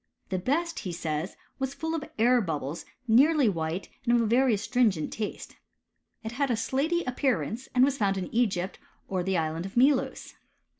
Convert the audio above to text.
The best, he. says, was full of air bubbles, nearly white, and of a very astrin gent taste. It had a slaty appearance, and was found iu £g3rpt or the Island of Melos.